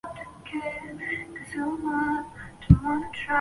新裂瓜为葫芦科裂瓜属下的一个种。